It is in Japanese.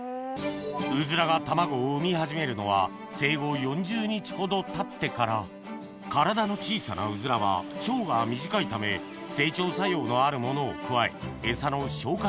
うずらが卵を産み始めるのは生後４０日ほどたってから体の小さなうずらは腸が短いため整腸作用のあるものを加え餌の消化